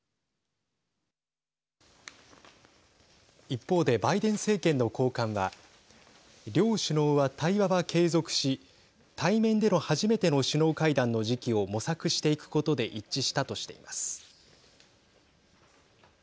一方でバイデン政権の高官は両首脳は、対話は継続し対面での初めての首脳会談の時期を模索していくことで一致したとしています。